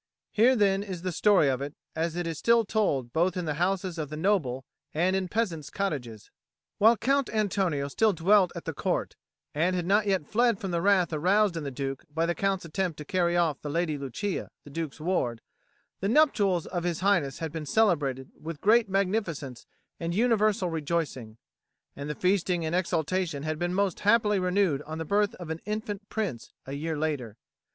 Here, then, is the story of it, as it is still told both in the houses of the noble and in peasants' cottages. While Count Antonio still dwelt at the Court, and had not yet fled from the wrath aroused in the Duke by the Count's attempt to carry off the Lady Lucia, the Duke's ward, the nuptials of His Highness had been celebrated with great magnificence and universal rejoicing; and the feasting and exultation had been most happily renewed on the birth of an infant Prince, a year later.